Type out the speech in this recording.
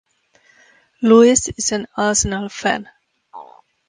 Lewis is an Arsenal fan.